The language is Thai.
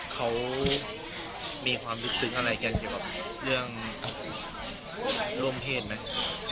เขามีความลึกซึ้งอะไรกันเกี่ยวกับเรื่องร่วมเพศไหม